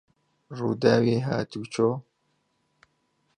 ڕووداوی هاتووچۆ